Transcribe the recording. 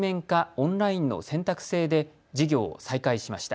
オンラインの選択制で授業を再開しました。